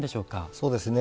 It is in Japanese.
そうですね。